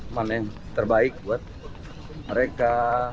mana yang terbaik buat mereka